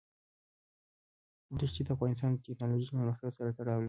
ښتې د افغانستان د تکنالوژۍ پرمختګ سره تړاو لري.